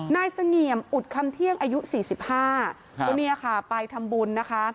น่าสเงียมอุดคำเที่ยงอายุ๔๕ตอนนี้ค่ะไปทำบุญนะคะ